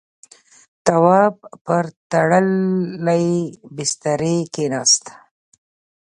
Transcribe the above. تواب پر تړلی بسترې کېناست.